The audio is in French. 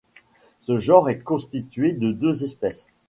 Ce genre est constitué de deux espèces.